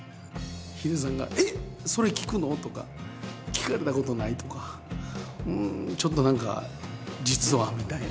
ヒデさんが「えっそれ聞くの？」とか「聞かれたことない」とか「ちょっと何か実は」みたいな。